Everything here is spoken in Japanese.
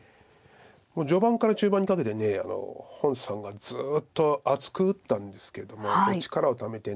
もう序盤から中盤にかけて洪さんがずっと厚く打ったんですけども力をためて。